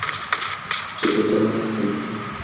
چې د ده مخې ته وي.